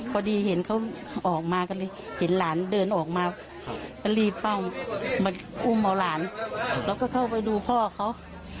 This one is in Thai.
ก็ได้เห็นเขาออกมากันให้เห็นหลานเดินออกมาประตูอดีป้องหรือมาอุ่มเอาหลานแล้วก็เข้าไปดูพ่อเขา